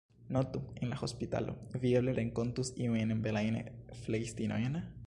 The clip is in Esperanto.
Notu, en la hospitalo, vi eble renkontus iujn belajn flegistinojn.